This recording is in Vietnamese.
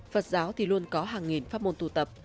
phật giáo thì luôn có hàng nghìn phát môn tù tập